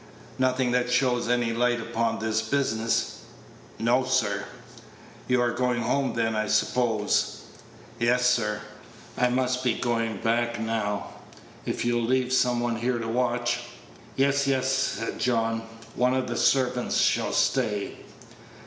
"Nothing that throws any light upon this business?" "No, sir." "You are going home, then, I suppose?" "Yes, sir, I must be going back now; if you'll leave some one here to watch " "Yes, yes," said John, "one of the servants shall stay."